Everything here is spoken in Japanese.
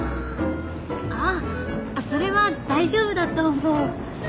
あっそれは大丈夫だと思う。